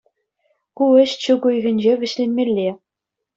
Ку ӗҫ чӳк уйӑхӗнче вӗҫленмелле.